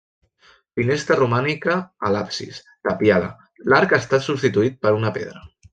Finestra romànica a l'absis, tapiada, l'arc ha estat substituït per una pedra.